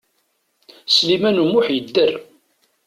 Sliman U Muḥ yedder.